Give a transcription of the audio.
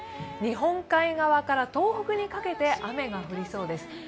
日本海側から東北にかけて雨が降りそうです。